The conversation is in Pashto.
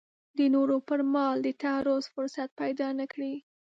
د نورو پر مال د تعرض فرصت پیدا نه کړي.